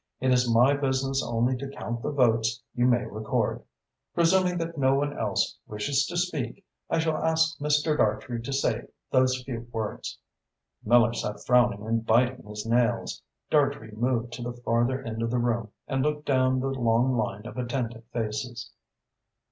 It is my business only to count the votes you may record. Presuming that no one else wishes to speak, I shall ask Mr. Dartrey to say those few words." Miller sat frowning and biting his nails. Dartrey moved to the farther end of the room and looked down the long line of attentive faces.